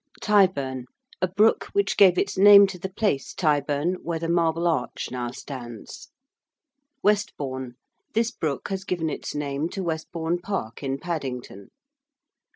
~Tyburn~: a brook which gave its name to the place Tyburn, where the Marble Arch now stands. ~Westbourne~: this brook has given its name to Westbourne Park, in Paddington.